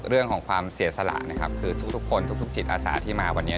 เรื่องของความเสียสละนะครับคือทุกคนทุกจิตอาสาที่มาวันนี้